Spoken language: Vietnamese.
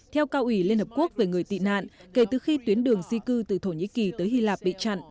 theo cao ủy liên hợp quốc về người tị nạn kể từ khi tuyến đường di cư từ thổ nhĩ kỳ tới hy lạp bị chặn